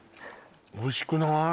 おいしくない？